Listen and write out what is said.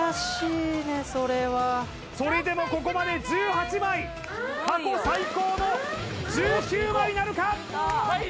それでもここまで１８枚過去最高の１９枚なるか？